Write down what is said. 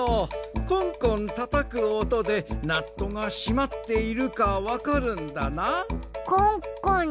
コンコンたたくおとでナットがしまっているかわかるんだな。